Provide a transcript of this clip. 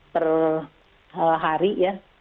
per hari ya